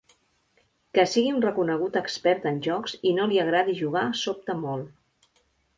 Que sigui un reconegut expert en jocs i no li agradi jugar sobta molt.